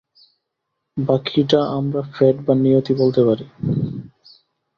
বাকিটা আমরা ফেট বা নিয়তি বলতে পারি।